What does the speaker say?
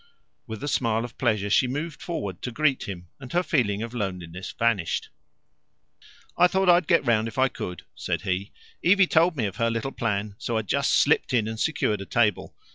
With a smile of pleasure she moved forward to greet him, and her feeling of loneliness vanished. "I thought I'd get round if I could," said he. "Evie told me of her little plan, so I just slipped in and secured a table.